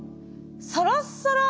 サラッサラ。